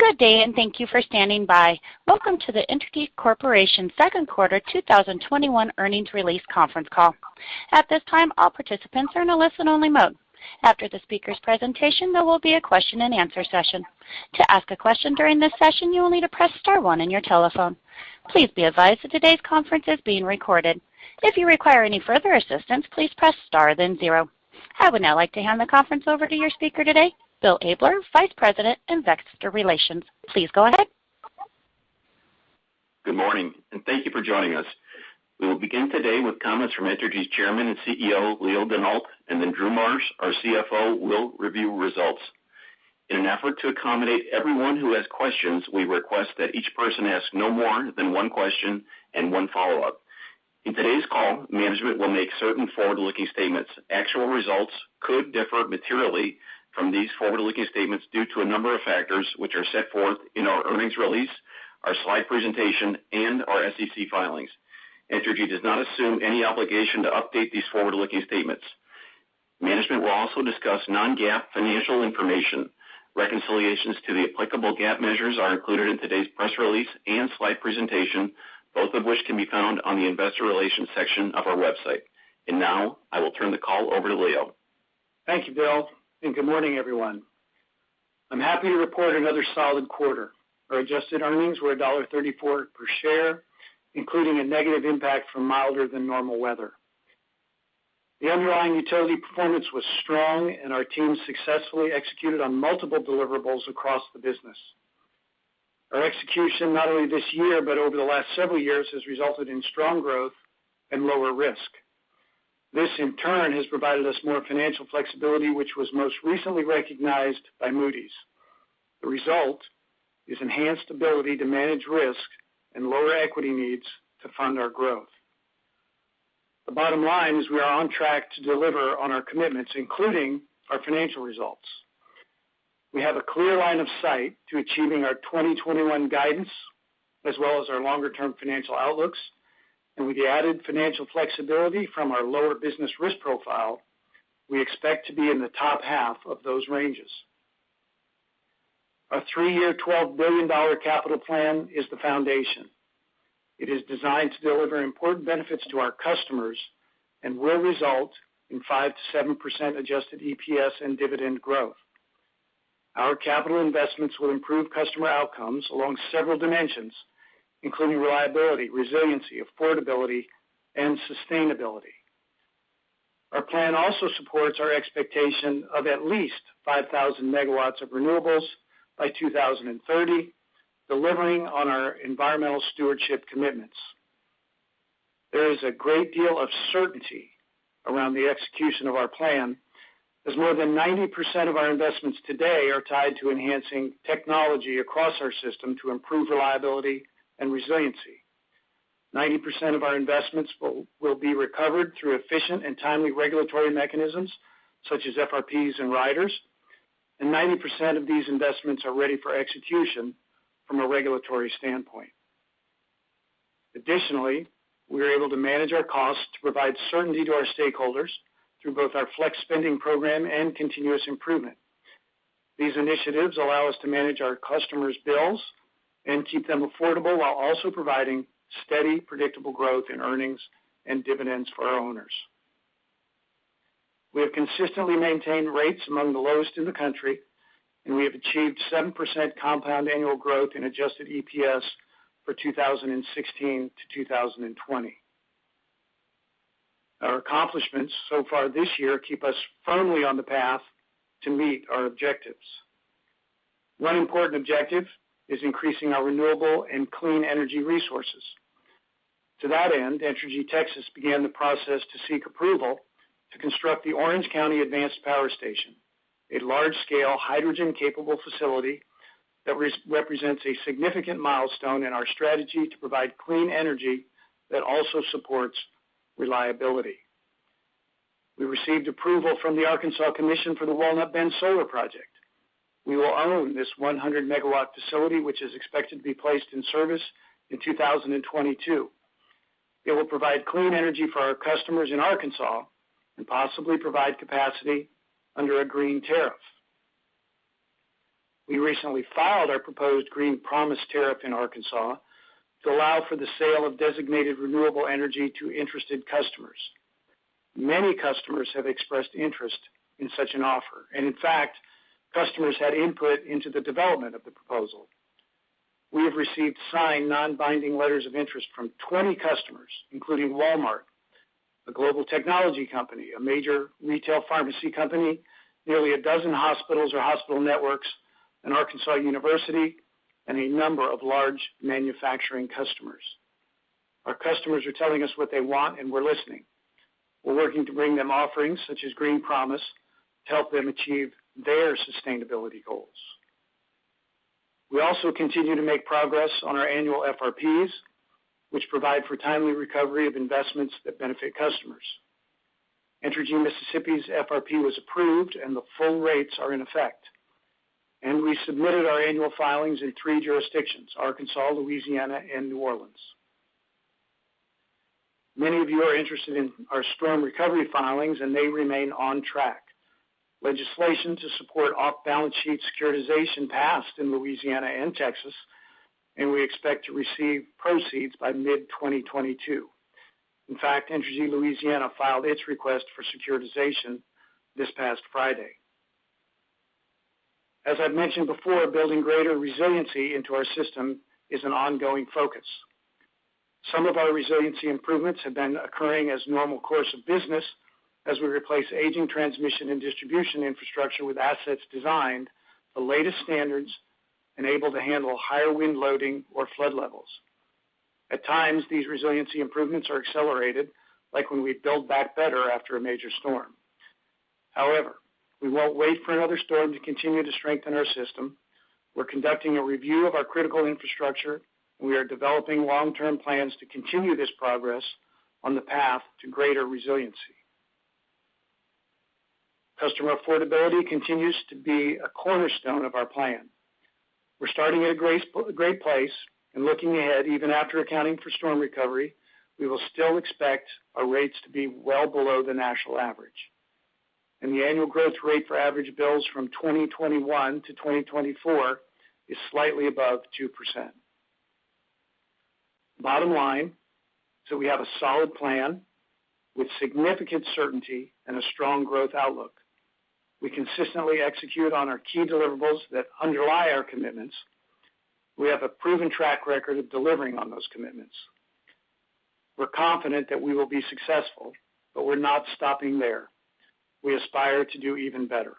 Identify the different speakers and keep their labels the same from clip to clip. Speaker 1: Good day. Thank you for standing by. Welcome to the Entergy Corporation second quarter 2021 earnings release conference call. At this time, all participants are in a listen-only mode. After the speaker's presentation, there will be a question and answer session. To ask a question during this session, you will need to press star one on your telephone. Please be advised that today's conference is being recorded. If you require any further assistance, please press star, then zero. I would now like to hand the conference over to your speaker today, Bill Abler, Vice President, Investor Relations. Please go ahead.
Speaker 2: Good morning, and thank you for joining us. We will begin today with comments from Entergy's Chairman and CEO, Leo Denault, and then Drew Marsh, our CFO, will review results. In an effort to accommodate everyone who has questions, we request that each person ask no more than one question and one follow-up. In today's call, management will make certain forward-looking statements. Actual results could differ materially from these forward-looking statements due to a number of factors which are set forth in our earnings release, our slide presentation, and our SEC filings. Entergy does not assume any obligation to update these forward-looking statements. Management will also discuss non-GAAP financial information. Reconciliations to the applicable GAAP measures are included in today's press release and slide presentation, both of which can be found on the investor relations section of our website. Now I will turn the call over to Leo.
Speaker 3: Thank you, Bill, and good morning, everyone. I'm happy to report another solid quarter. Our adjusted earnings were $1.34 per share, including a negative impact from milder than normal weather. The underlying utility performance was strong, and our team successfully executed on multiple deliverables across the business. Our execution, not only this year but over the last several years, has resulted in strong growth and lower risk. This, in turn, has provided us more financial flexibility, which was most recently recognized by Moody's. The result is enhanced ability to manage risk and lower equity needs to fund our growth. The bottom line is we are on track to deliver on our commitments, including our financial results. We have a clear line of sight to achieving our 2021 guidance as well as our longer-term financial outlooks. With the added financial flexibility from our lower business risk profile, we expect to be in the top half of those ranges. Our three-year, $12 billion capital plan is the foundation. It is designed to deliver important benefits to our customers and will result in 5%-7% Adjusted EPS and dividend growth. Our capital investments will improve customer outcomes along several dimensions, including reliability, resiliency, affordability, and sustainability. Our plan also supports our expectation of at least 5,000 MW of renewables by 2030, delivering on our environmental stewardship commitments. There is a great deal of certainty around the execution of our plan, as more than 90% of our investments today are tied to enhancing technology across our system to improve reliability and resiliency. 90% of our investments will be recovered through efficient and timely regulatory mechanisms, such as FRPs and riders. 90% of these investments are ready for execution from a regulatory standpoint. Additionally, we are able to manage our costs to provide certainty to our stakeholders through both our flex spending program and continuous improvement. These initiatives allow us to manage our customers' bills and keep them affordable while also providing steady, predictable growth in earnings and dividends for our owners. We have consistently maintained rates among the lowest in the country. We have achieved 7% compound annual growth in Adjusted EPS for 2016-2020. Our accomplishments so far this year keep us firmly on the path to meet our objectives. One important objective is increasing our renewable and clean energy resources. To that end, Entergy Texas began the process to seek approval to construct the Orange County Advanced Power Station, a large-scale, hydrogen-capable facility that represents a significant milestone in our strategy to provide clean energy that also supports reliability. We received approval from the Arkansas Commission for the Walnut Bend Solar Project. We will own this 100 MW facility, which is expected to be placed in service in 2022. It will provide clean energy for our customers in Arkansas and possibly provide capacity under a green tariff. We recently filed our proposed Green Promise tariff in Arkansas to allow for the sale of designated renewable energy to interested customers. Many customers have expressed interest in such an offer, and in fact, customers had input into the development of the proposal. We have received signed non-binding letters of interest from 20 customers, including Walmart, a global technology company, a major retail pharmacy company, nearly a dozen hospitals or hospital networks, an Arkansas university, and a number of large manufacturing customers. Our customers are telling us what they want. We're listening. We're working to bring them offerings such as Green Promise to help them achieve their sustainability goals. We also continue to make progress on our annual FRPs, which provide for timely recovery of investments that benefit customers. Entergy Mississippi's FRP was approved. The full rates are in effect. We submitted our annual filings in three jurisdictions, Arkansas, Louisiana, and New Orleans. Many of you are interested in our storm recovery filings. They remain on track. Legislation to support off-balance-sheet securitization passed in Louisiana and Texas. We expect to receive proceeds by mid-2022. In fact, Entergy Louisiana filed its request for securitization this past Friday. As I've mentioned before, building greater resiliency into our system is an ongoing focus. Some of our resiliency improvements have been occurring as normal course of business as we replace aging transmission and distribution infrastructure with assets designed for latest standards and able to handle higher wind loading or flood levels. At times, these resiliency improvements are accelerated, like when we build back better after a major storm. However, we won't wait for another storm to continue to strengthen our system. We're conducting a review of our critical infrastructure. We are developing long-term plans to continue this progress on the path to greater resiliency. Customer affordability continues to be a cornerstone of our plan. We're starting at a great place and looking ahead, even after accounting for storm recovery, we will still expect our rates to be well below the national average. The annual growth rate for average bills from 2021-2024 is slightly above 2%. Bottom line, we have a solid plan with significant certainty and a strong growth outlook. We consistently execute on our key deliverables that underlie our commitments. We have a proven track record of delivering on those commitments. We're confident that we will be successful, but we're not stopping there. We aspire to do even better.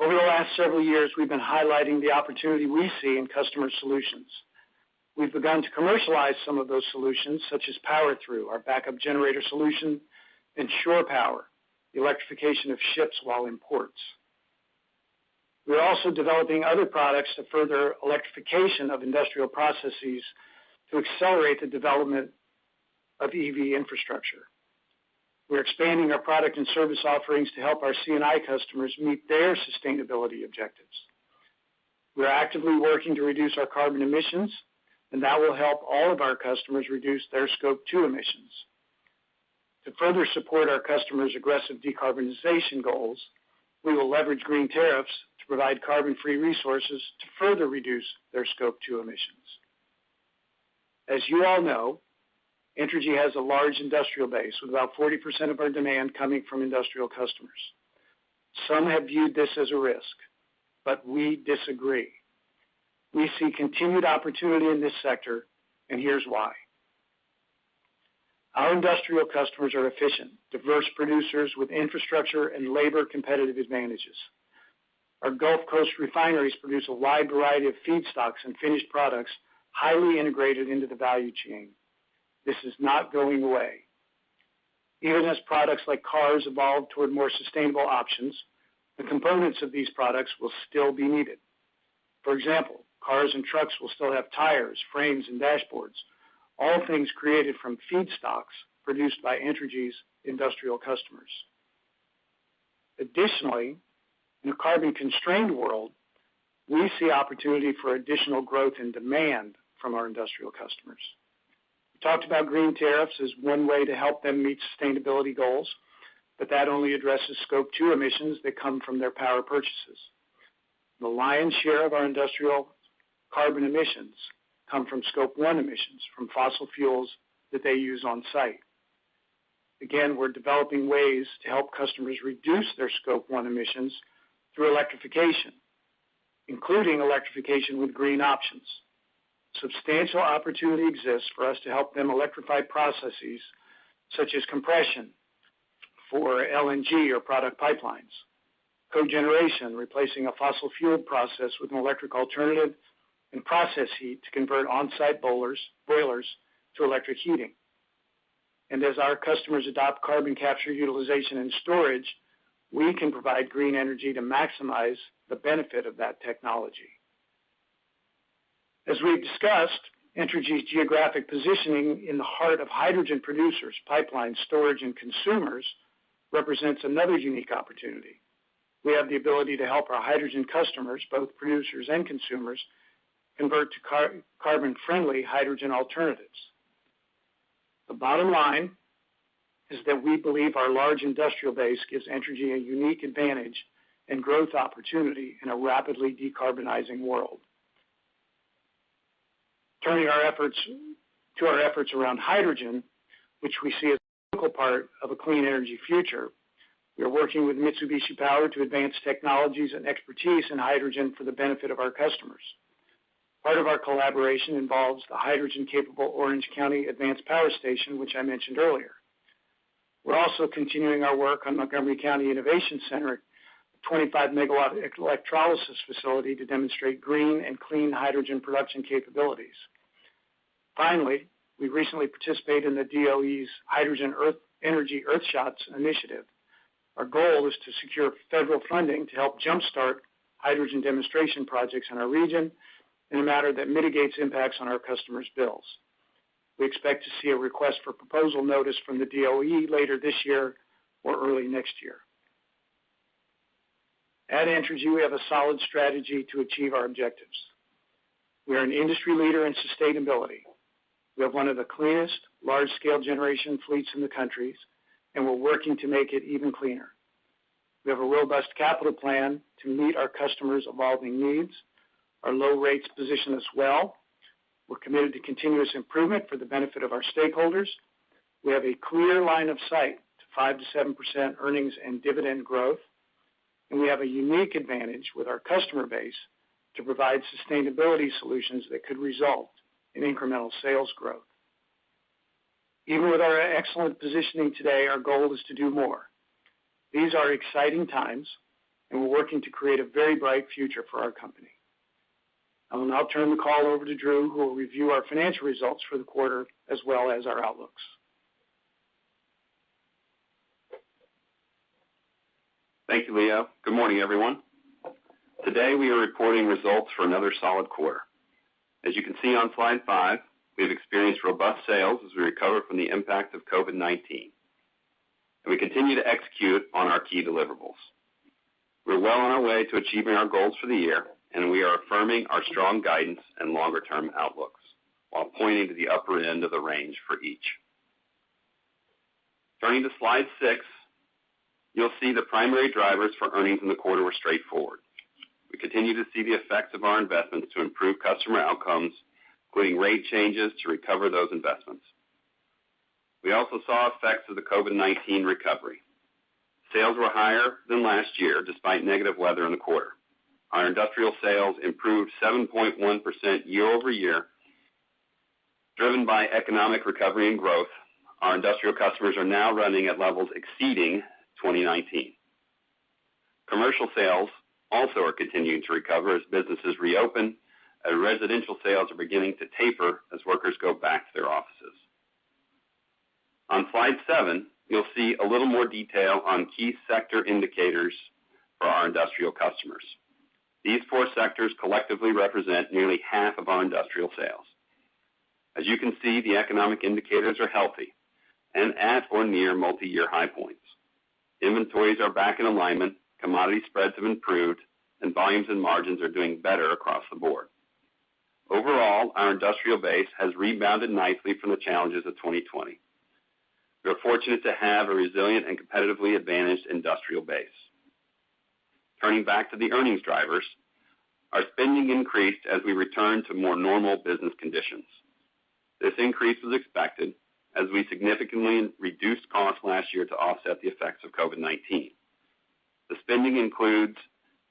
Speaker 3: Over the last several years, we've been highlighting the opportunity we see in customer solutions. We've begun to commercialize some of those solutions, such as PowerThru, our backup generator solution, and shore power, the electrification of ships while in ports. We're also developing other products to further electrification of industrial processes to accelerate the development of EV infrastructure. We're expanding our product and service offerings to help our C&I customers meet their sustainability objectives. We're actively working to reduce our carbon emissions, and that will help all of our customers reduce their Scope 2 emissions. To further support our customers' aggressive decarbonization goals, we will leverage green tariffs to provide carbon-free resources to further reduce their Scope 2 emissions. As you all know, Entergy has a large industrial base, with about 40% of our demand coming from industrial customers. Some have viewed this as a risk, but we disagree. We see continued opportunity in this sector, and here's why. Our industrial customers are efficient, diverse producers with infrastructure and labor competitive advantages. Our Gulf Coast refineries produce a wide variety of feedstocks and finished products highly integrated into the value chain. This is not going away. Even as products like cars evolve toward more sustainable options, the components of these products will still be needed. For example, cars and trucks will still have tires, frames, and dashboards, all things created from feedstocks produced by Entergy's industrial customers. Additionally, in a carbon-constrained world, we see opportunity for additional growth and demand from our industrial customers. We talked about green tariffs as one way to help them meet sustainability goals, but that only addresses Scope 2 emissions that come from their power purchases. The lion's share of our industrial carbon emissions come from Scope 1 emissions from fossil fuels that they use on-site. Again, we're developing ways to help customers reduce their Scope 1 emissions through electrification, including electrification with green options. Substantial opportunity exists for us to help them electrify processes such as compression for LNG or product pipelines, cogeneration, replacing a fossil fuel process with an electric alternative, and process heat to convert on-site boilers to electric heating. As our customers adopt carbon capture utilization and storage, we can provide green energy to maximize the benefit of that technology. As we've discussed, Entergy's geographic positioning in the heart of hydrogen producers, pipeline storage, and consumers represents another unique opportunity. We have the ability to help our hydrogen customers, both producers and consumers, convert to carbon-friendly hydrogen alternatives. The bottom line is that we believe our large industrial base gives Entergy a unique advantage and growth opportunity in a rapidly decarbonizing world. Turning to our efforts around hydrogen, which we see as a critical part of a clean energy future, we are working with Mitsubishi Power to advance technologies and expertise in hydrogen for the benefit of our customers. Part of our collaboration involves the hydrogen-capable Orange County Advanced Power Station, which I mentioned earlier. We are also continuing our work on Montgomery County Innovation Center, a 25 MW electrolysis facility to demonstrate green and clean hydrogen production capabilities. Finally, we recently participated in the DOE's Hydrogen Energy Earthshots Initiative. Our goal is to secure federal funding to help jumpstart hydrogen demonstration projects in our region in a matter that mitigates impacts on our customers' bills. We expect to see a request for proposal notice from the DOE later this year or early next year. At Entergy, we have a solid strategy to achieve our objectives. We are an industry leader in sustainability. We have one of the cleanest large-scale generation fleets in the countries, and we're working to make it even cleaner. We have a robust capital plan to meet our customers' evolving needs. Our low rates position us well. We're committed to continuous improvement for the benefit of our stakeholders. We have a clear line of sight to 5%-7% earnings and dividend growth, and we have a unique advantage with our customer base to provide sustainability solutions that could result in incremental sales growth. Even with our excellent positioning today, our goal is to do more. These are exciting times, and we're working to create a very bright future for our company. I will now turn the call over to Drew, who will review our financial results for the quarter as well as our outlooks.
Speaker 4: Thank you, Leo. Good morning, everyone. Today, we are reporting results for another solid quarter. As you can see on slide five, we've experienced robust sales as we recover from the impact of COVID-19, and we continue to execute on our key deliverables. We're well on our way to achieving our goals for the year. We are affirming our strong guidance and longer-term outlooks while pointing to the upper end of the range for each. Turning to slide six, you'll see the primary drivers for earnings in the quarter were straightforward. We continue to see the effects of our investments to improve customer outcomes, including rate changes, to recover those investments. We also saw effects of the COVID-19 recovery. Sales were higher than last year, despite negative weather in the quarter. Our industrial sales improved 7.1% year-over-year. Driven by economic recovery and growth, our industrial customers are now running at levels exceeding 2019. Commercial sales also are continuing to recover as businesses reopen, and residential sales are beginning to taper as workers go back to their offices. On slide seven, you'll see a little more detail on key sector indicators for our industrial customers. These four sectors collectively represent nearly half of our industrial sales. As you can see, the economic indicators are healthy and at or near multi-year high points. Inventories are back in alignment, commodity spreads have improved, and volumes and margins are doing better across the board. Overall, our industrial base has rebounded nicely from the challenges of 2020. We are fortunate to have a resilient and competitively advantaged industrial base. Turning back to the earnings drivers, our spending increased as we return to more normal business conditions. This increase is expected as we significantly reduced costs last year to offset the effects of COVID-19. The spending includes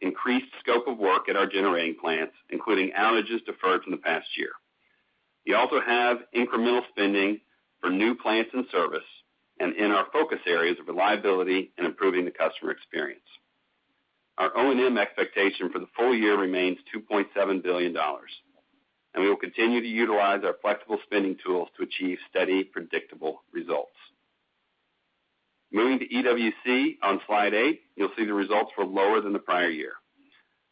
Speaker 4: increased scope of work at our generating plants, including outages deferred from the past year. We also have incremental spending for new plants and service, and in our focus areas of reliability and improving the customer experience. Our O&M expectation for the full year remains $2.7 billion, and we will continue to utilize our flexible spending tools to achieve steady, predictable results. Moving to EWC on slide eight, you'll see the results were lower than the prior year.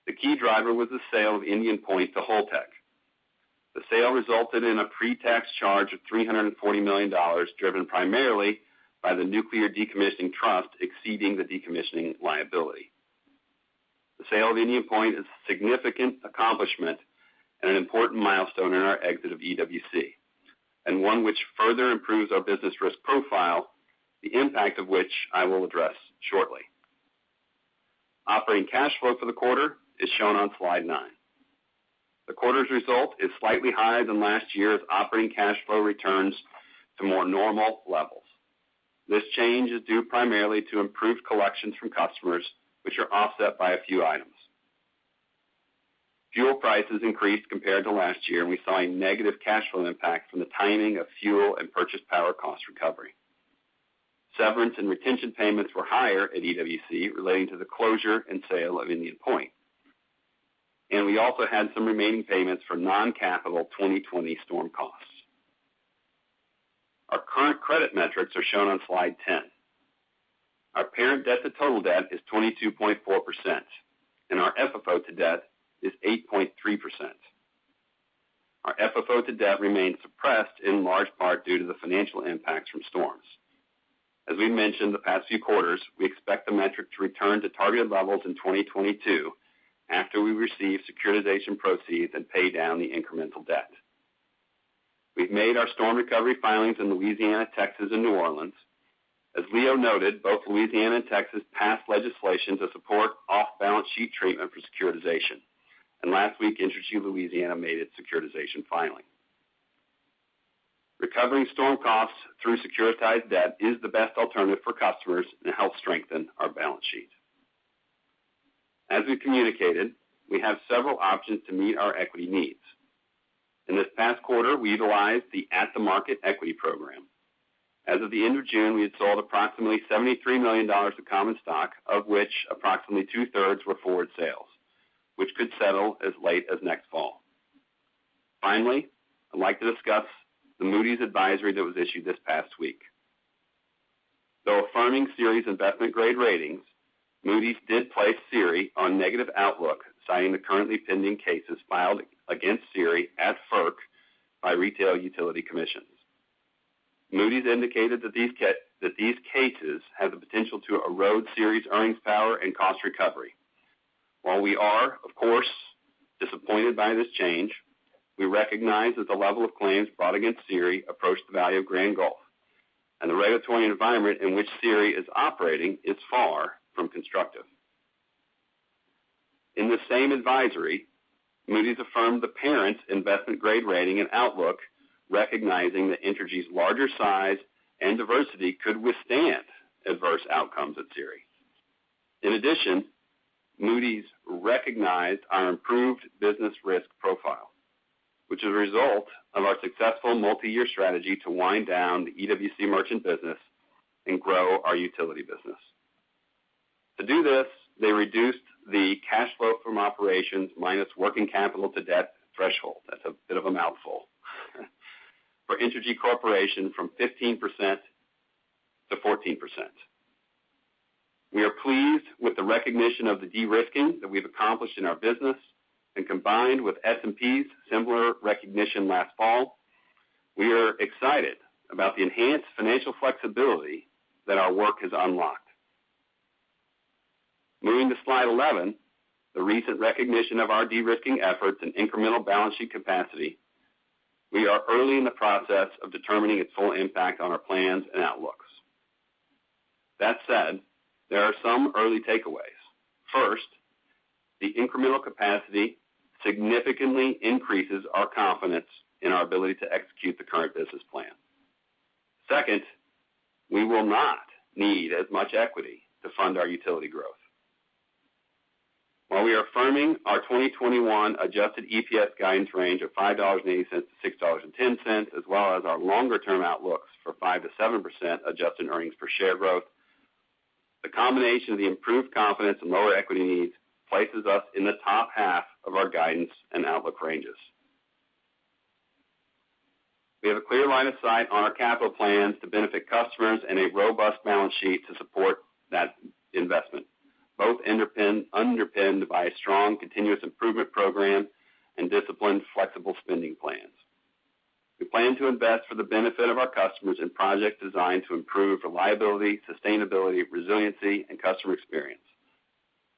Speaker 4: The key driver was the sale of Indian Point to Holtec. The sale resulted in a pre-tax charge of $340 million, driven primarily by the nuclear decommissioning trust exceeding the decommissioning liability. The sale of Indian Point is a significant accomplishment and an important milestone in our exit of EWC, and one which further improves our business risk profile, the impact of which I will address shortly. Operating cash flow for the quarter is shown on slide nine. The quarter's result is slightly higher than last year as operating cash flow returns to more normal levels. This change is due primarily to improved collections from customers, which are offset by a few items. Fuel prices increased compared to last year, and we saw a negative cash flow impact from the timing of fuel and purchase power cost recovery. Severance and retention payments were higher at EWC relating to the closure and sale of Indian Point. We also had some remaining payments for non-capital 2020 storm costs. Our current credit metrics are shown on slide 10. Our parent debt to total debt is 22.4%, and our FFO to debt is 8.3%. Our FFO to debt remains suppressed, in large part due to the financial impacts from storms. As we mentioned the past few quarters, we expect the metric to return to targeted levels in 2022 after we receive securitization proceeds and pay down the incremental debt. We've made our storm recovery filings in Louisiana, Texas, and New Orleans. As Leo noted, both Louisiana and Texas passed legislation to support off-balance sheet treatment for securitization, and last week, Entergy Louisiana made its securitization filing. Recovering storm costs through securitized debt is the best alternative for customers and helps strengthen our balance sheet. As we communicated, we have several options to meet our equity needs. In this past quarter, we utilized the at-the-market equity program. As of the end of June, we had sold approximately $73 million of common stock, of which approximately 2/3 were forward sales, which could settle as late as next fall. Finally, I'd like to discuss the Moody's advisory that was issued this past week. Though affirming SERI's investment-grade ratings, Moody's did place SERI on negative outlook, citing the currently pending cases filed against SERI at FERC by retail utility commissions. Moody's indicated that these cases have the potential to erode SERI's earnings power and cost recovery. While we are, of course, disappointed by this change, we recognize that the level of claims brought against SERI approach the value of Grand Gulf, and the regulatory environment in which SERI is operating is far from constructive. In the same advisory, Moody's affirmed the parent's investment grade rating and outlook, recognizing that Entergy's larger size and diversity could withstand adverse outcomes at SERI. In addition, Moody's recognized our improved business risk profile, which is a result of our successful multi-year strategy to wind down the EWC merchant business and grow our utility business. To do this, they reduced the cash flow from operations minus working capital to debt threshold, that's a bit of a mouthful , for Entergy Corporation from 15%-14%. We are pleased with the recognition of the de-risking that we've accomplished in our business, and combined with S&P's similar recognition last fall, we are excited about the enhanced financial flexibility that our work has unlocked. Moving to slide 11, the recent recognition of our de-risking efforts and incremental balance sheet capacity, we are early in the process of determining its full impact on our plans and outlooks. That said, there are some early takeaways. First, the incremental capacity significantly increases our confidence in our ability to execute the current business plan. Second, we will not need as much equity to fund our utility growth. While we are affirming our 2021 Adjusted EPS guidance range of $5.80-$6.10, as well as our longer-term outlooks for 5%-7% Adjusted earnings per share growth, the combination of the improved confidence and lower equity needs places us in the top half of our guidance and outlook ranges. We have a clear line of sight on our capital plans to benefit customers and a robust balance sheet to support that investment, both underpinned by a strong continuous improvement program and disciplined, flexible spending plans. We plan to invest for the benefit of our customers in projects designed to improve reliability, sustainability, resiliency, and customer experience.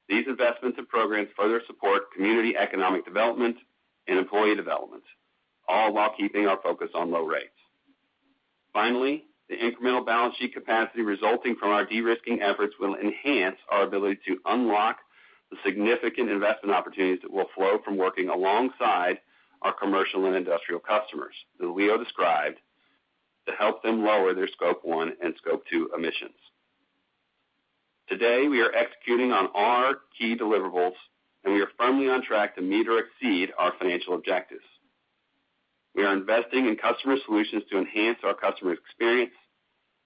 Speaker 4: These investments and programs further support community economic development and employee development, all while keeping our focus on low rates. Finally, the incremental balance sheet capacity resulting from our de-risking efforts will enhance our ability to unlock the significant investment opportunities that will flow from working alongside our commercial and industrial customers, who Leo described, to help them lower their Scope 1 and Scope 2 emissions. Today, we are executing on our key deliverables. We are firmly on track to meet or exceed our financial objectives. We are investing in customer solutions to enhance our customer experience.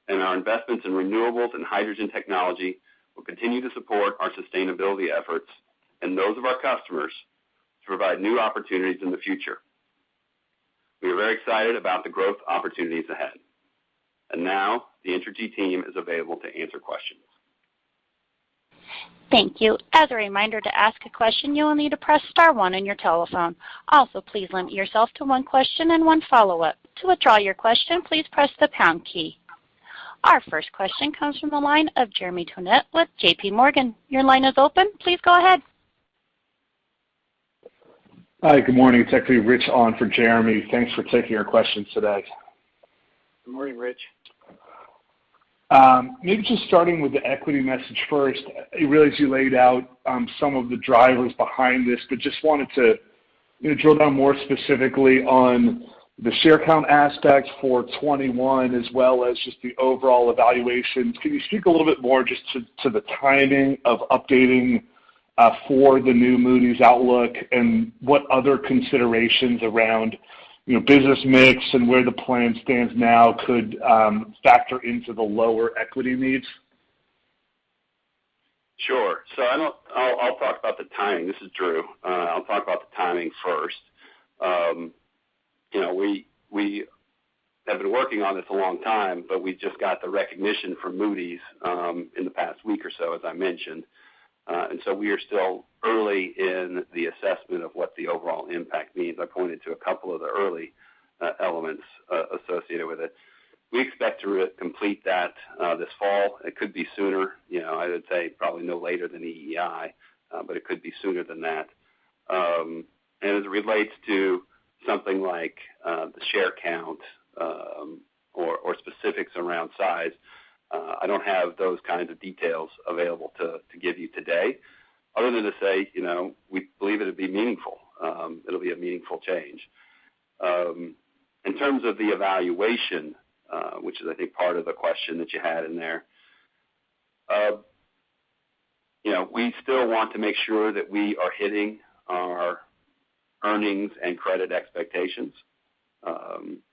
Speaker 4: Our investments in renewables and hydrogen technology will continue to support our sustainability efforts and those of our customers to provide new opportunities in the future. We are very excited about the growth opportunities ahead. Now the Entergy team is available to answer questions.
Speaker 1: Thank you. As a reminder, to ask a question, you will need to press star one on your telephone. Also, please limit yourself to one question and one follow-up. To withdraw your question, please press the pound key. Our first question comes from the line of Jeremy Tonet with JPMorgan. Your line is open. Please go ahead.
Speaker 5: Hi, good morning, it's actually Rich on for Jeremy. Thanks for taking our questions today.
Speaker 3: Good morning, Rich.
Speaker 5: Maybe just starting with the equity message first. I realize you laid out some of the drivers behind this, but just wanted to drill down more specifically on the share count aspect for 2021, as well as just the overall evaluation. Can you speak a little bit more just to the timing of updating for the new Moody's outlook and what other considerations around business mix and where the plan stands now could factor into the lower equity needs?
Speaker 4: Sure. I'll talk about the timing. This is Drew. I'll talk about the timing first. We have been working on this a long time, but we just got the recognition from Moody's in the past week or so, as I mentioned. We are still early in the assessment of what the overall impact means. I pointed to a couple of the early elements associated with it. We expect to complete that this fall. It could be sooner. I would say probably no later than EEI, but it could be sooner than that. As it relates to something like the share count or specifics around size, I don't have those kinds of details available to give you today, other than to say we believe it'll be meaningful, it'll be a meaningful change. In terms of the evaluation, which is I think part of the question that you had in there, we still want to make sure that we are hitting our earnings and credit expectations.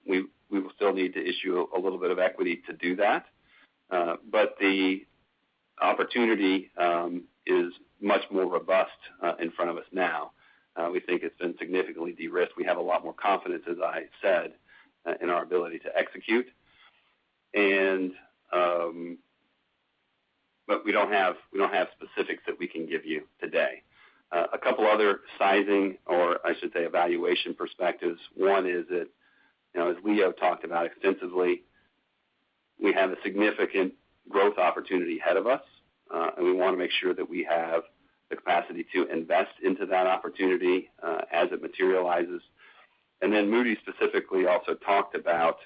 Speaker 4: We will still need to issue a little bit of equity to do that. The opportunity is much more robust in front of us now. We think it's been significantly de-risked. We have a lot more confidence, as I said, in our ability to execute. We don't have specifics that we can give you today. A couple other sizing, or I should say evaluation perspectives. One is that, as Leo talked about extensively, we have a significant growth opportunity ahead of us, and we want to make sure that we have the capacity to invest into that opportunity as it materializes. Moody's specifically also talked about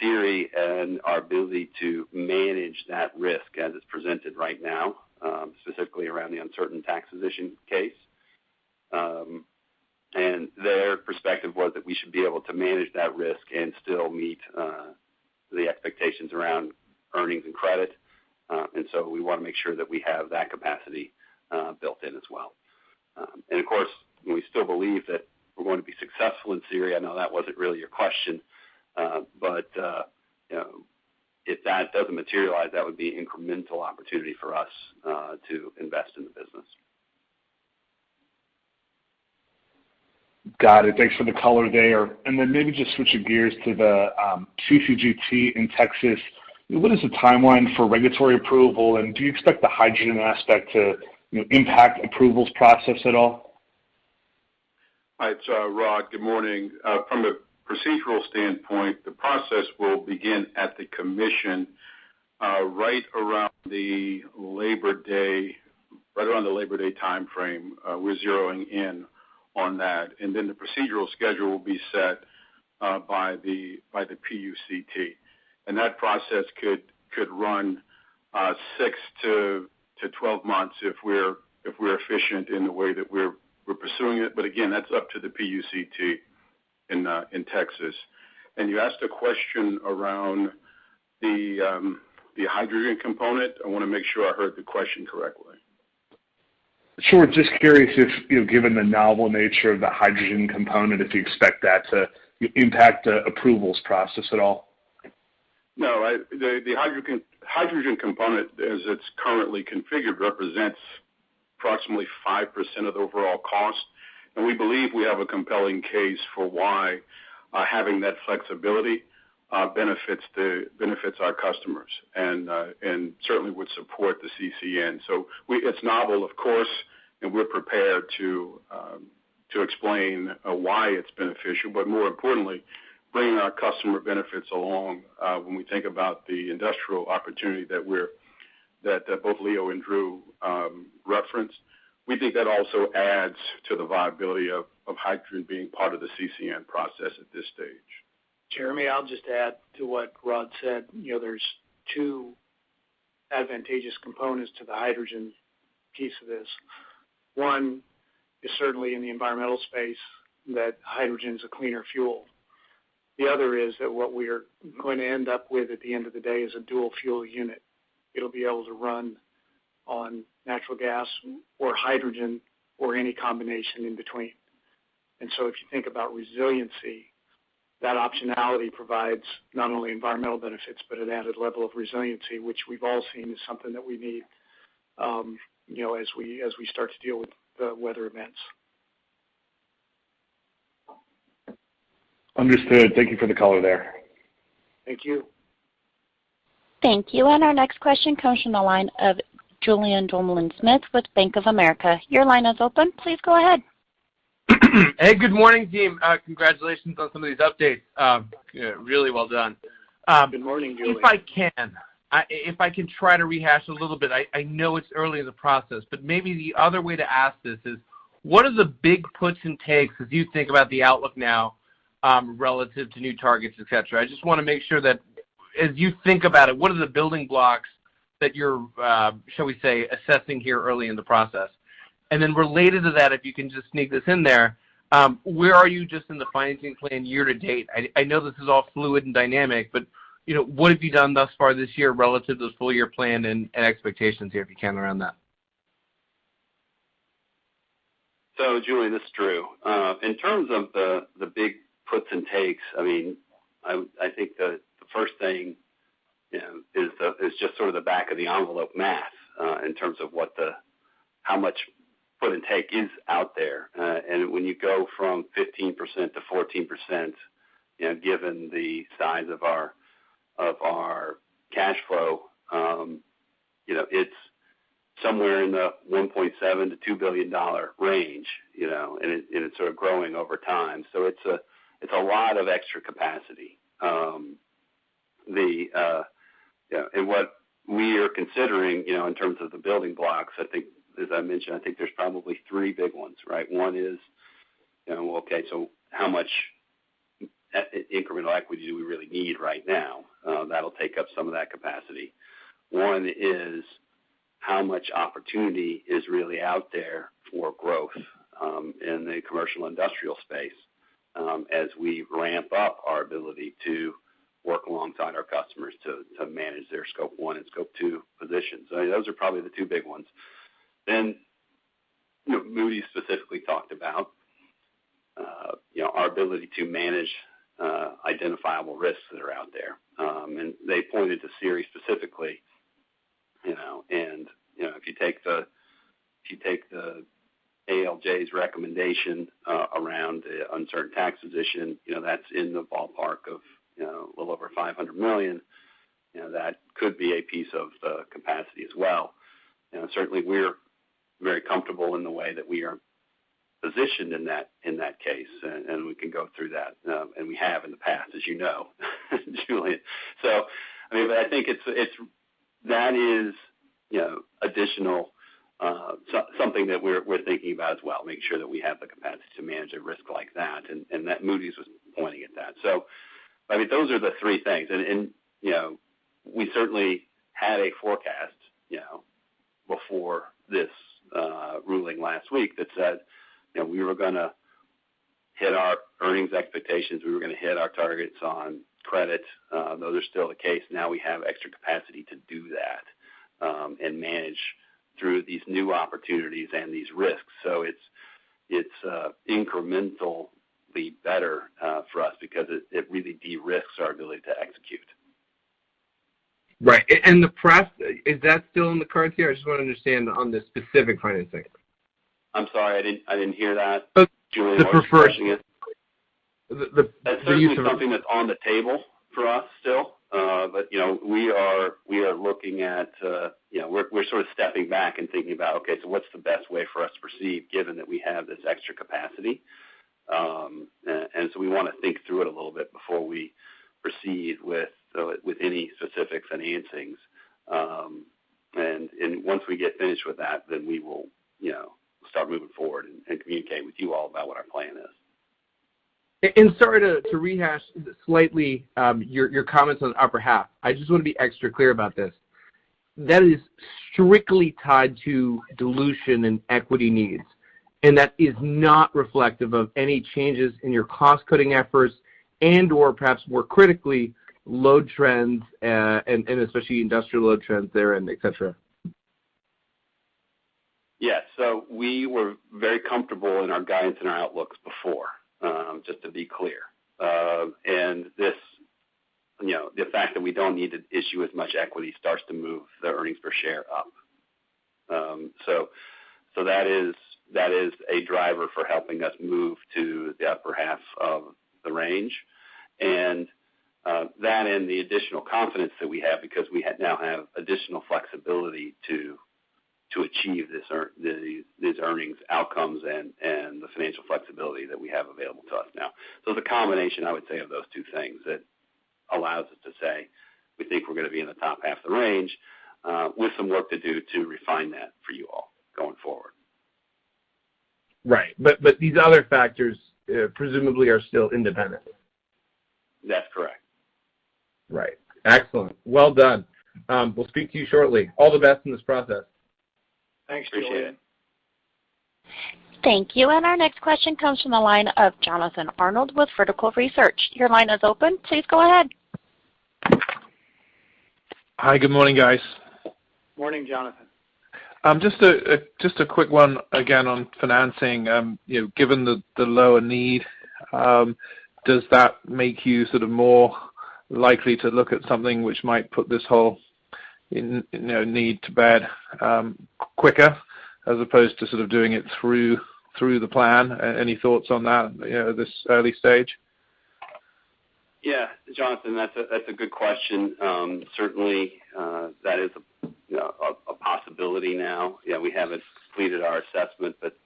Speaker 4: SERI and our ability to manage that risk as it's presented right now, specifically around the uncertain tax position case. Their perspective was that we should be able to manage that risk and still meet the expectations around earnings and credit. We want to make sure that we have that capacity built in as well. Of course, we still believe that we're going to be successful in SERI. I know that wasn't really your question. If that doesn't materialize, that would be incremental opportunity for us to invest in the business.
Speaker 5: Got it. Thanks for the color there. Maybe just switching gears to the CCGT in Texas. What is the timeline for regulatory approval, and do you expect the hydrogen aspect to impact approvals process at all?
Speaker 6: Hi, it's Rod. Good morning. From a procedural standpoint, the process will begin at the commission right around the Labor Day timeframe. We're zeroing in on that. The procedural schedule will be set by the PUCT. That process could run six to 12 months if we're efficient in the way that we're pursuing it. Again, that's up to the PUCT in Texas. You asked a question around the hydrogen component. I want to make sure I heard the question correctly.
Speaker 5: Sure. Just curious if, given the novel nature of the hydrogen component, if you expect that to impact approvals process at all?
Speaker 6: No. The hydrogen component, as it's currently configured, represents approximately 5% of the overall cost. We believe we have a compelling case for why having that flexibility benefits our customers and certainly would support the CCN. It's novel, of course, and we're prepared to explain why it's beneficial, but more importantly, bringing our customer benefits along when we think about the industrial opportunity that both Leo and Drew referenced. We think that also adds to the viability of hydrogen being part of the CCN process at this stage.
Speaker 3: Jeremy, I'll just add to what Rod said. There's two advantageous components to the hydrogen piece of this. One is certainly in the environmental space that hydrogen's a cleaner fuel. The other is that what we are going to end up with at the end of the day is a dual fuel unit. It'll be able to run on natural gas or hydrogen or any combination in between. If you think about resiliency, that optionality provides not only environmental benefits, but an added level of resiliency, which we've all seen is something that we need as we start to deal with weather events.
Speaker 5: Understood. Thank you for the color there.
Speaker 3: Thank you.
Speaker 1: Thank you. Our next question comes from the line of Julien Dumoulin-Smith with Bank of America. Your line is open. Please go ahead.
Speaker 7: Hey, good morning, team. Congratulations on some of these updates. Really well done.
Speaker 3: Good morning, Julien.
Speaker 7: If I can try to rehash a little bit. I know it's early in the process, but maybe the other way to ask this is, what are the big puts and takes as you think about the outlook now, relative to new targets, et cetera? I just want to make sure that as you think about it, what are the building blocks that you're, shall we say, assessing here early in the process? Then related to that, if you can just sneak this in there, where are you just in the financing plan year to date? I know this is all fluid and dynamic, but what have you done thus far this year relative to the full-year plan and expectations here, if you can, around that?
Speaker 4: Julien, this is Drew. In terms of the big puts and takes, I think the first thing is just sort of the back of the envelope math, in terms of how much put and take is out there. When you go from 15%-14%, given the size of our cash flow, it's somewhere in the $1.7 billion-$2 billion range, and it's sort of growing over time. It's a lot of extra capacity. What we are considering in terms of the building blocks, as I mentioned, I think there's probably three big ones, right? One is, okay, how much increment liquidity do we really need right now? That'll take up some of that capacity. One is how much opportunity is really out there for growth in the commercial industrial space as we ramp up our ability to work alongside our customers to manage their Scope 1 and Scope 2 positions? Those are probably the two big ones. Moody's specifically talked about our ability to manage identifiable risks that are out there. They pointed to SERI specifically, and if you take the ALJ's recommendation around the uncertain tax position, that's in the ballpark of a little over $500 million. That could be a piece of the capacity as well. Certainly we're very comfortable in the way that we are positioned in that case, and we can go through that, and we have in the past, as you know Julien. I think that is additional, something that we're thinking about as well, making sure that we have the capacity to manage a risk like that. That Moody's was pointing at that. Those are the three things. We certainly had a forecast before this ruling last week that said we were going to hit our earnings expectations, we were going to hit our targets on credit. Those are still the case. Now we have extra capacity to do that, and manage through these new opportunities and these risks. It's incrementally better for us because it really de-risks our ability to execute.
Speaker 7: Right. The pref, is that still in the cards here? I just want to understand on the specific financing.
Speaker 4: I'm sorry, I didn't hear that.
Speaker 7: The preferred-
Speaker 4: Julien was questioning it.
Speaker 7: The use of-
Speaker 4: That's certainly something that's on the table for us still. We are looking at, we're sort of stepping back and thinking about what's the best way for us to proceed given that we have this extra capacity? We want to think through it a little bit before we proceed with any specific financings. Once we get finished with that, we will start moving forward and communicate with you all about what our plan is.
Speaker 7: Sorry to rehash slightly, your comments on the upper half. I just want to be extra clear about this. That is strictly tied to dilution and equity needs, and that is not reflective of any changes in your cost-cutting efforts and/or perhaps more critically, load trends, and especially industrial load trends there and et cetera?
Speaker 4: Yeah. We were very comfortable in our guidance and our outlooks before, just to be clear. The fact that we don't need to issue as much equity starts to move the earnings per share up. That is a driver for helping us move to the upper half of the range and that, and the additional confidence that we have because we now have additional flexibility to achieve these earnings outcomes and the financial flexibility that we have available to us now. It's a combination, I would say, of those two things that allows us to say, we think we're going to be in the top half of the range, with some work to do to refine that for you all going forward.
Speaker 7: Right. These other factors presumably are still independent?
Speaker 4: That's correct.
Speaker 7: Right. Excellent. Well done. We'll speak to you shortly. All the best in this process.
Speaker 3: Thanks, Julien.
Speaker 4: Appreciate it.
Speaker 1: Thank you. Our next question comes from the line of Jonathan Arnold with Vertical Research. Your line is open. Please go ahead.
Speaker 8: Hi. Good morning, guys.
Speaker 3: Morning, Jonathan.
Speaker 8: Just a quick one, again, on financing. Given the lower need, does that make you sort of more likely to look at something which might put this whole need to bed quicker as opposed to sort of doing it through the plan? Any thoughts on that at this early stage?
Speaker 4: Yeah. Jonathan, that's a good question. Certainly, that is a possibility now. We haven't completed our assessment, but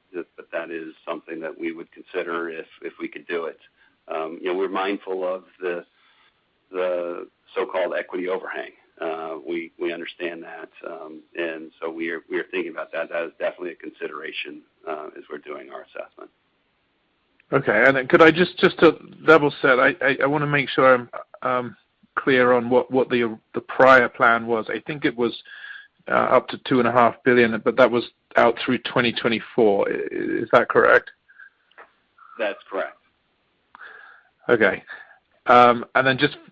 Speaker 4: that is something that we would consider if we could do it. We're mindful of the so-called equity overhang. We understand that. We are thinking about that. That is definitely a consideration as we're doing our assessment.
Speaker 8: Okay. Just to double check, I want to make sure I'm clear on what the prior plan was. I think it was up to $2.5 billion, but that was out through 2024. Is that correct?
Speaker 4: That's correct.
Speaker 8: Okay.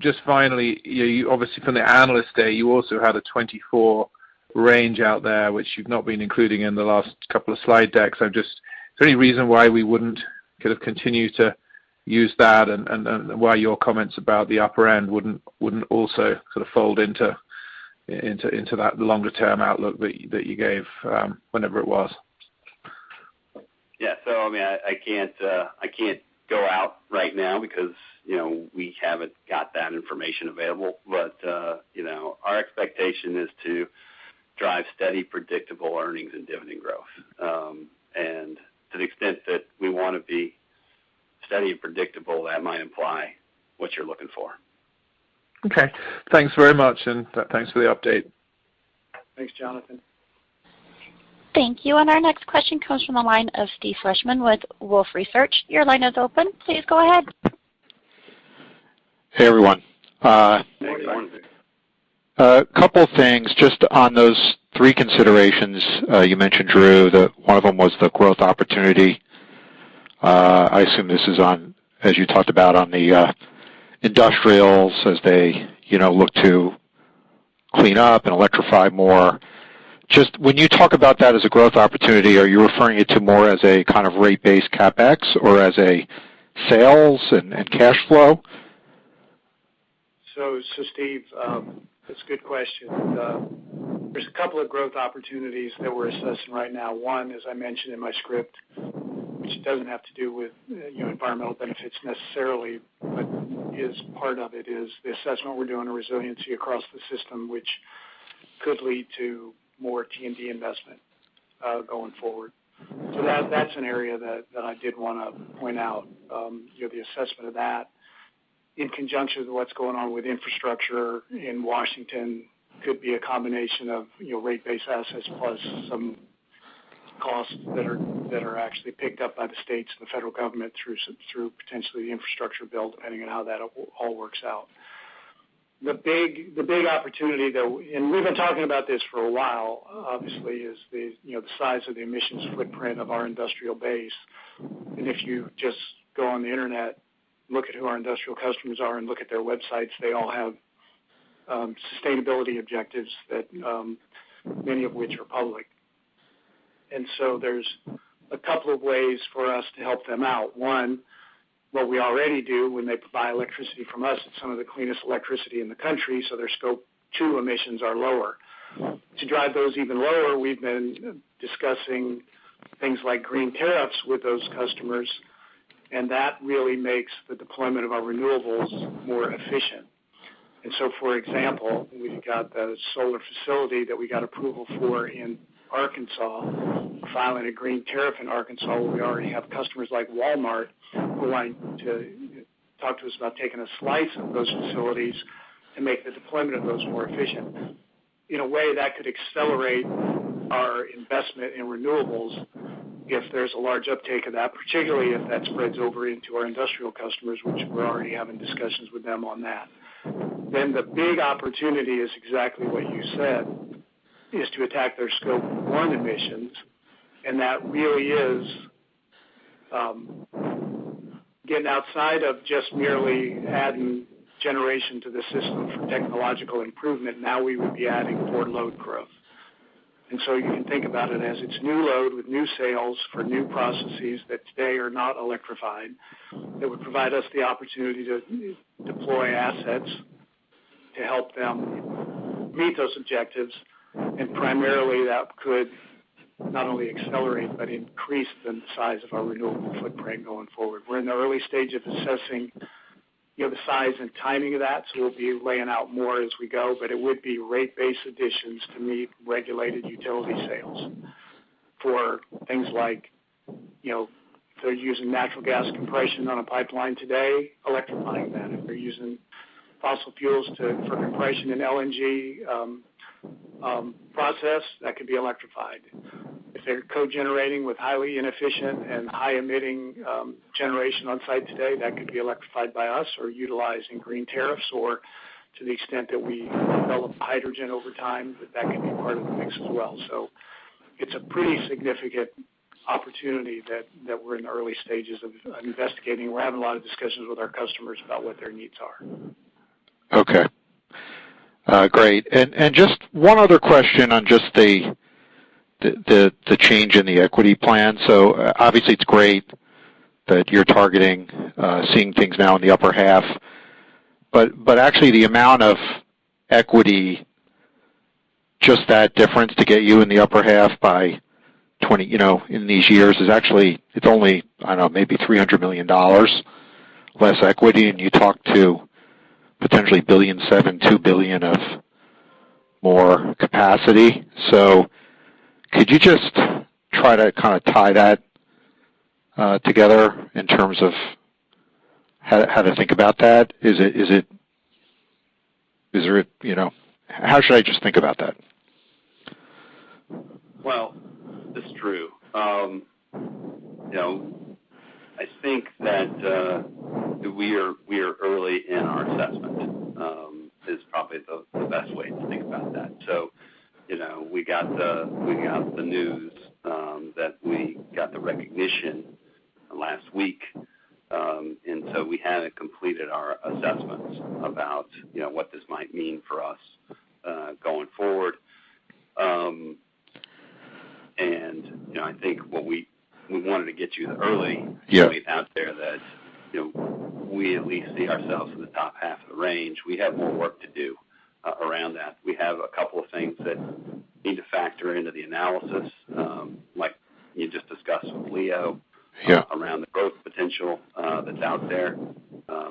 Speaker 8: Just finally, you obviously from the Analyst Day, you also had a 2024 range out there, which you've not been including in the last couple of slide decks. Is there any reason why we wouldn't, couldn't continue to use that and why your comments about the upper end wouldn't also sort of fold into that longer-term outlook that you gave, whenever it was?
Speaker 4: Yeah. I can't go out right now because we haven't got that information available. Our expectation is to drive steady, predictable earnings and dividend growth. To the extent that we want to be steady and predictable, that might imply what you're looking for.
Speaker 8: Okay. Thanks very much. Thanks for the update.
Speaker 3: Thanks, Jonathan.
Speaker 1: Thank you. Our next question comes from the line of Steve Fleishman with Wolfe Research. Your line is open. Please go ahead.
Speaker 9: Hey, everyone.
Speaker 4: Morning.
Speaker 9: A couple things just on those three considerations. You mentioned, Drew, that one of them was the growth opportunity. I assume this is on, as you talked about on the industrials as they look to clean up and electrify more. Just when you talk about that as a growth opportunity, are you referring it to more as a kind of rate-based CapEx or as a sales and cash flow?
Speaker 3: Steve, that's a good question. There's a couple of growth opportunities that we're assessing right now. One, as I mentioned in my script, which doesn't have to do with environmental benefits necessarily, but is part of it, is the assessment we're doing on resiliency across the system, which could lead to more T&D investment going forward. That's an area that I did want to point out. The assessment of that in conjunction with what's going on with infrastructure in Washington could be a combination of rate-based assets plus some costs that are actually picked up by the states and the federal government through potentially the infrastructure bill, depending on how that all works out. The big opportunity though, and we've been talking about this for a while, obviously, is the size of the emissions footprint of our industrial base. If you just go on the internet, look at who our industrial customers are, and look at their websites, they all have sustainability objectives that many of which are public. There's a couple of ways for us to help them out. One, what we already do when they buy electricity from us, it's some of the cleanest electricity in the country, so their Scope 2 emissions are lower. To drive those even lower, we've been discussing things like green tariffs with those customers, and that really makes the deployment of our renewables more efficient. For example, we've got the solar facility that we got approval for in Arkansas, filing a green tariff in Arkansas, where we already have customers like Walmart who want to talk to us about taking a slice of those facilities and make the deployment of those more efficient. In a way, that could accelerate our investment in renewables if there's a large uptake of that, particularly if that spreads over into our industrial customers, which we're already having discussions with them on that. The big opportunity is exactly what you said, is to attack their Scope 1 emissions. That really is getting outside of just merely adding generation to the system for technological improvement. Now we would be adding for load growth. You can think about it as it's new load with new sales for new processes that today are not electrified. That would provide us the opportunity to deploy assets to help them meet those objectives. Primarily that could not only accelerate but increase the size of our renewable footprint going forward. We're in the early stage of assessing the size and timing of that, so we'll be laying out more as we go, but it would be rate-based additions to meet regulated utility sales for things like if they're using natural gas compression on a pipeline today, electrifying that. If they're using fossil fuels for compression in LNG process, that could be electrified. If they're co-generating with highly inefficient and high-emitting generation on site today, that could be electrified by us or utilizing green tariffs, or to the extent that we develop hydrogen over time, that can be part of the mix as well. It's a pretty significant opportunity that we're in the early stages of investigating. We're having a lot of discussions with our customers about what their needs are.
Speaker 9: Okay. Great. Just one other question on just the change in the equity plan. Obviously it's great that you're targeting seeing things now in the upper half, but actually the amount of equity, just that difference to get you in the upper half by in these years is actually, it's only, I don't know, maybe $300 million less equity, and you talked to potentially $1.7 billion, $2 billion of more capacity. Could you just try to kind of tie that together in terms of how to think about that? How should I just think about that?
Speaker 4: Well, this is Drew. I think that we are early in our assessment, is probably the best way to think about that. We got the news that we got the recognition last week. We haven't completed our assessments about what this might mean for us going forward. I think what we wanted to get you the early-
Speaker 9: Yeah.
Speaker 4: Out there that we at least see ourselves in the top half of the range. We have more work to do around that. We have a couple of things that need to factor into the analysis, like you just discussed with Leo-
Speaker 9: Yeah.
Speaker 4: Around the growth potential that's out there.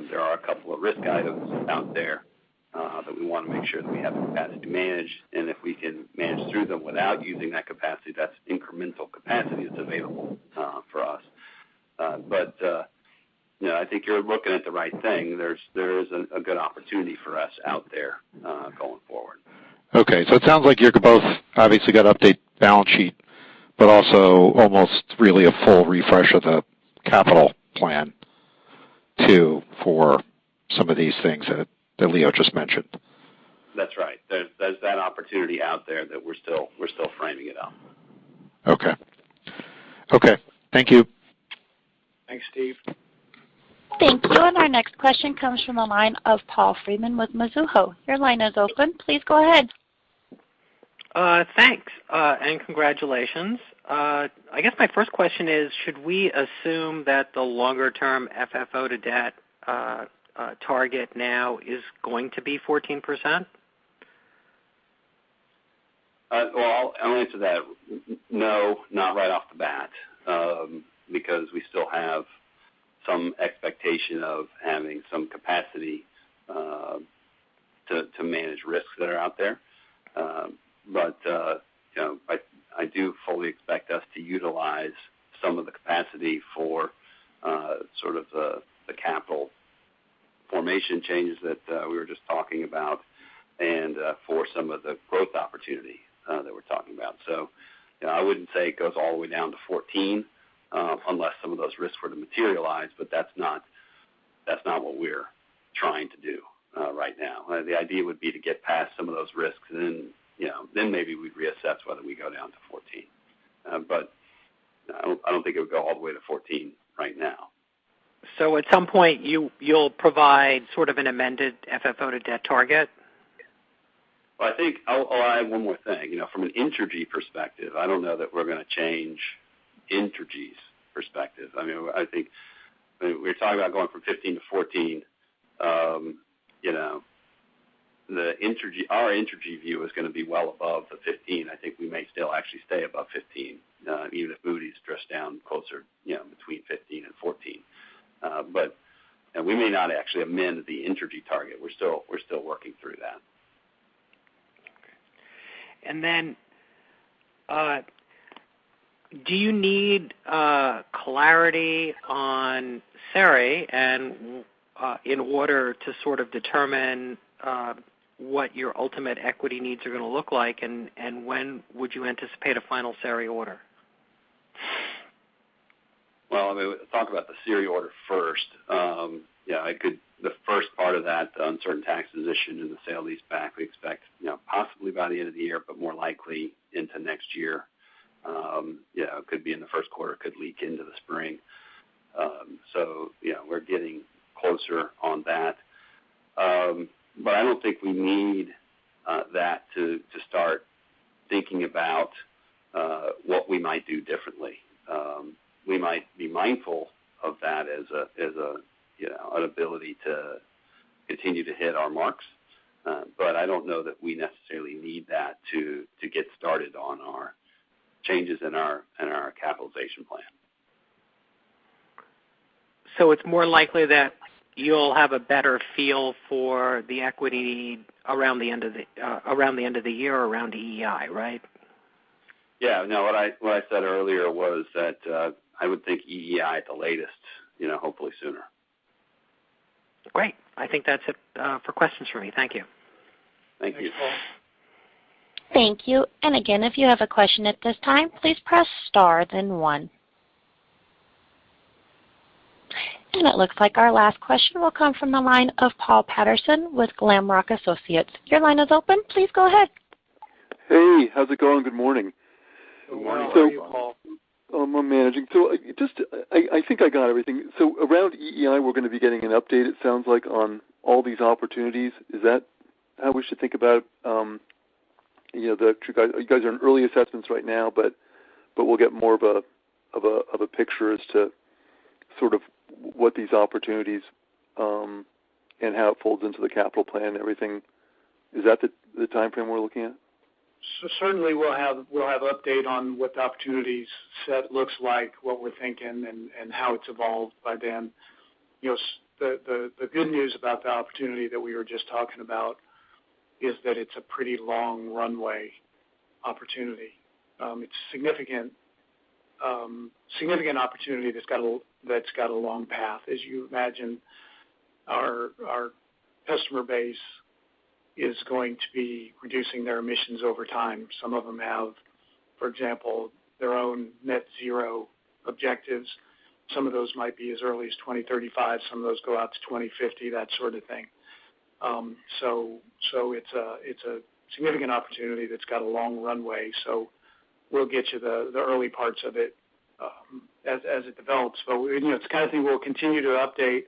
Speaker 4: There are a couple of risk items out there that we want to make sure that we have the capacity to manage, and if we can manage through them without using that capacity, that's incremental capacity that's available for us. I think you're looking at the right thing. There is a good opportunity for us out there going forward.
Speaker 9: Okay. It sounds like you're both obviously got to update balance sheet, but also almost really a full refresh of the capital plan too for some of these things that Leo just mentioned.
Speaker 4: That's right. There's that opportunity out there that we're still framing it up.
Speaker 9: Okay. Thank you.
Speaker 3: Thanks, Steve.
Speaker 1: Thank you. Our next question comes from the line of Paul Fremont with Mizuho. Your line is open. Please go ahead.
Speaker 10: Thanks, and congratulations. I guess my first question is, should we assume that the longer-term FFO to debt target now is going to be 14%?
Speaker 4: Well, I'll answer that. No, not right off the that. Because we still have some expectation of having some capacity to manage risks that are out there. I do fully expect us to utilize some of the capacity for the capital formation changes that we were just talking about, and for some of the growth opportunity that we're talking about. So I wouldn't say it goes all the way down to 14%, unless some of those risks were to materialize, but that's not what we're trying to do right now. The idea would be to get past some of those risks, and then maybe we'd reassess whether we go down to 14%. I don't think it would go all the way to 14% right now.
Speaker 10: At some point, you'll provide sort of an amended FFO to debt target?
Speaker 4: I think I'll add one more thing. From an Entergy perspective, I don't know that we're going to change Entergy's perspective. I think we're talking about going from 15%-14%. Our Entergy view is going to be well above the 15%. I think we may still actually stay above 15%, even if Moody's drifts down closer between 15% and 14%. We may not actually amend the Entergy target. We're still working through that.
Speaker 10: Okay. Do you need clarity on SERI in order to sort of determine what your ultimate equity needs are going to look like? When would you anticipate a final SERI order?
Speaker 4: Well, I'm going to talk about the SERI order first. Yeah, the first part of that, the uncertain tax position in the sale-leaseback, we expect possibly by the end of the year, but more likely into next year. Yeah, it could be in the first quarter, could leak into the spring. Yeah, we're getting closer on that. I don't think we need that to start thinking about what we might do differently. We might be mindful of that as an ability to continue to hit our marks. I don't know that we necessarily need that to get started on our changes in our capitalization plan.
Speaker 10: It's more likely that you'll have a better feel for the equity need around the end of the year or around EEI, right?
Speaker 4: Yeah. No, what I said earlier was that I would think EEI at the latest. Hopefully sooner.
Speaker 10: Great. I think that's it for questions from me. Thank you.
Speaker 4: Thank you.
Speaker 3: Thanks, Paul.
Speaker 1: Thank you. Again, if you have a question at this time, please press star then one. It looks like our last question will come from the line of Paul Patterson with Glenrock Associates. Your line is open. Please go ahead.
Speaker 11: Hey, how's it going? Good morning.
Speaker 3: Good morning. How are you, Paul?
Speaker 11: I'm managing. I think I got everything. Around EEI, we're going to be getting an update, it sounds like, on all these opportunities. Is that how we should think about the, you guys are in early assessments right now, but we'll get more of a picture as to sort of what these opportunities, and how it folds into the capital plan and everything. Is that the timeframe we're looking at?
Speaker 3: Certainly, we'll have update on what the opportunities set looks like, what we're thinking, and how it's evolved by then. The good news about the opportunity that we were just talking about is that it's a pretty long runway opportunity. It's a significant opportunity that's got a long path. As you imagine, our customer base is going to be reducing their emissions over time. Some of them have, for example, their own net zero objectives. Some of those might be as early as 2035. Some of those go out to 2050, that sort of thing. It's a significant opportunity that's got a long runway. We'll get you the early parts of it as it develops. It's the kind of thing we'll continue to update.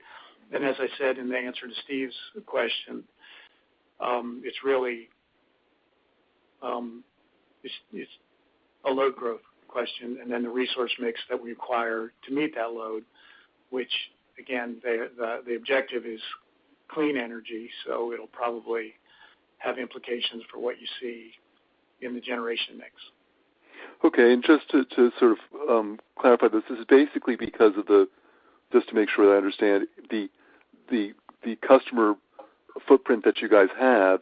Speaker 3: As I said in the answer to Steve's question, it's really, it's a load growth question. The resource mix that we require to meet that load, which again, the objective is clean energy, so it'll probably have implications for what you see in the generation mix.
Speaker 11: Okay. Just to sort of clarify this. Basically, because of the, just to make sure that I understand. The customer footprint that you guys have,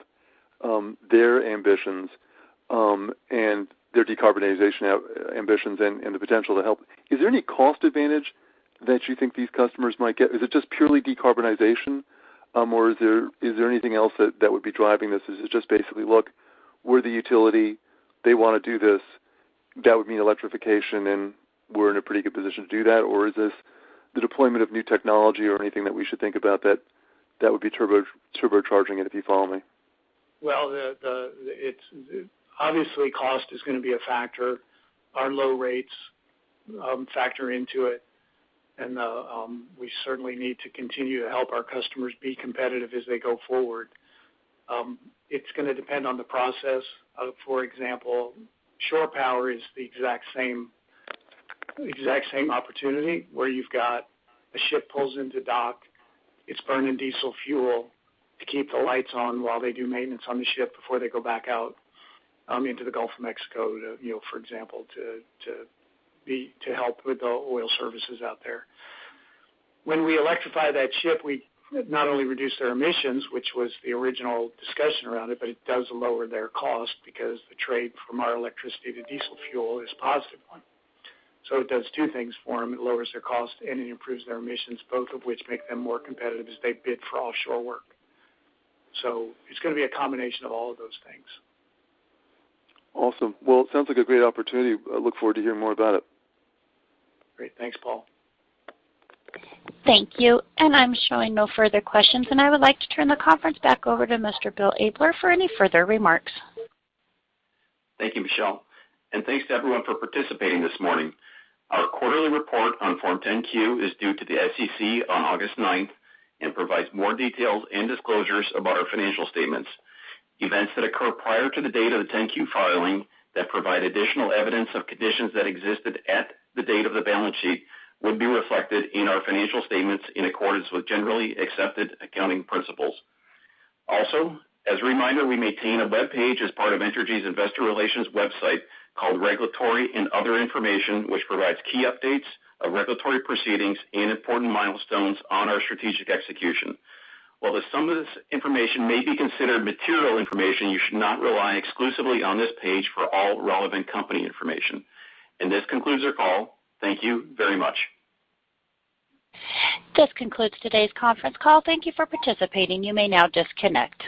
Speaker 11: their ambitions, and their decarbonization ambitions and the potential to help. Is there any cost advantage that you think these customers might get? Is it just purely decarbonization? Is there anything else that would be driving this? Is it just basically, look, we're the utility, they want to do this, that would mean electrification, and we're in a pretty good position to do that? Is this the deployment of new technology or anything that we should think about that would be turbocharging it, if you follow me?
Speaker 3: Well, obviously cost is going to be a factor. Our low rates factor into it. We certainly need to continue to help our customers be competitive as they go forward. It's going to depend on the process. For example, shore power is the exact same opportunity, where you've got a ship pulls into dock, it's burning diesel fuel to keep the lights on while they do maintenance on the ship before they go back out into the Gulf of Mexico, for example, to help with the oil services out there. When we electrify that ship, we not only reduce their emissions, which was the original discussion around it, but it does lower their cost because the trade from our electricity to diesel fuel is a positive one. It does two things for them. It lowers their cost, and it improves their emissions, both of which make them more competitive as they bid for offshore work. It's going to be a combination of all of those things.
Speaker 11: Awesome. Well, it sounds like a great opportunity. I look forward to hearing more about it.
Speaker 3: Great. Thanks, Paul.
Speaker 1: Thank you. I'm showing no further questions, and I would like to turn the conference back over to Mr. Bill Abler for any further remarks.
Speaker 2: Thank you, Michelle. Thanks to everyone for participating this morning. Our quarterly report on Form 10-Q is due to the SEC on August 9th and provides more details and disclosures about our financial statements. Events that occur prior to the date of the 10-Q filing that provide additional evidence of conditions that existed at the date of the balance sheet will be reflected in our financial statements in accordance with generally accepted accounting principles. Also, as a reminder, we maintain a webpage as part of Entergy's investor relations website called Regulatory and Other Information, which provides key updates of regulatory proceedings and important milestones on our strategic execution. While some of this information may be considered material information, you should not rely exclusively on this page for all relevant company information. This concludes our call. Thank you very much.
Speaker 1: This concludes today's conference call. Thank you for participating. You may now disconnect.